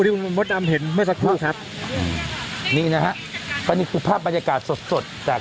ทางกลุ่มมวลชนทะลุฟ้าทางกลุ่มมวลชนทะลุฟ้า